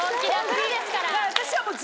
私はもう。